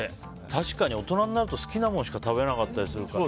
確かに大人になると好きなものしか食べなかったりするから。